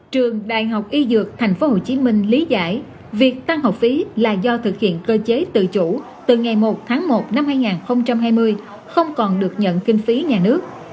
trường đại học y dược tp hcm lý giải việc tăng học phí là do thực hiện cơ chế tự chủ từ ngày một tháng một năm hai nghìn hai mươi không còn được nhận kinh phí nhà nước